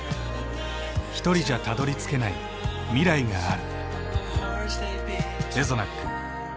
ひとりじゃたどりつけない未来がある。